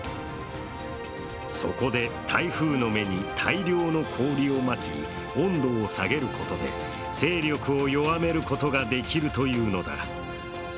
そこで台風の目に大量の氷をまき、温度を下げることで勢力を弱めることができるというのだ。